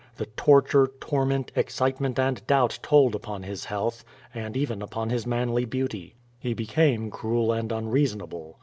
The torture, torment, excitement and doubt told upon his health, and even upon his manly beauty. He be came cruel and unreasonable.